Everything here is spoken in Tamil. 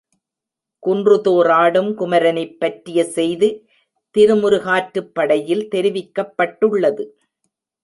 குன்றுதோறாடும் குமரனைப் பற்றிய செய்தி திருமுரு காற்றுப்படையில் தெரிவிக்கப்பட்டுள்ளது.